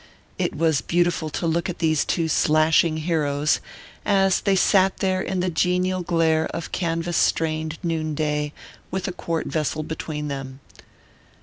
It was beautiful to look at these two slashing heroes, as they sat there in the genial glare of canvas strained noon day, with a quart vessel between them.